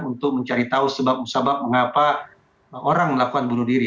untuk mencari tahu sebab mengapa orang melakukan bunuh diri